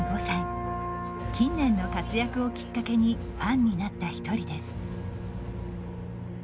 近年の活躍をきっかけにファンになった一人です。